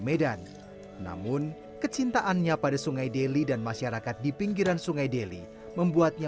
medan namun kecintaannya pada sungai deli dan masyarakat di pinggiran sungai deli membuatnya